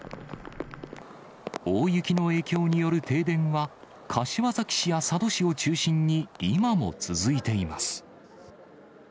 大雪の影響による停電は、柏崎市や佐渡市を中心に今も続いています。